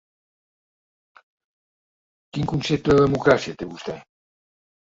Quin concepte de la democràcia té vostè?